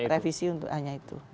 revisi untuk hanya itu